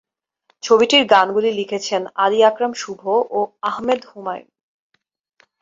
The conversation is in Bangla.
ছবিটির গানগুলি লিখেছেন আলী আকরাম শুভ ও আহমেদ হুমায়ুন।